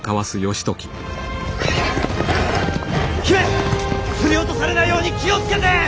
姫振り落とされないように気を付けて！